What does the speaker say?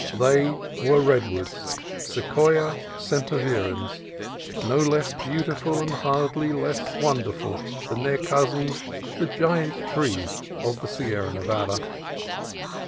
They were redwoods (Se quoia sempervirens) , no less beautiful and hardly less wonderful than their cousins, the Giant Trees of the Sierra Nevada.